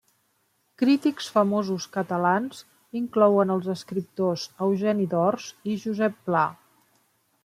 Crítics famosos catalans inclouen els escriptors Eugeni d'Ors i Josep Pla.